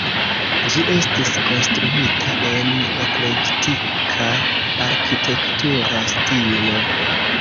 Ĝi estis konstruita en eklektika arkitektura stilo.